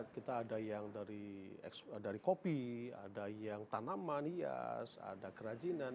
kita ada yang dari kopi ada yang tanaman hias ada kerajinan